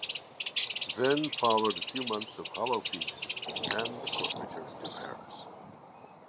Then followed a few months of hollow peace and the court returned to Paris.